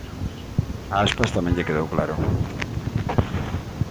A Aspas tamén lle quedou claro.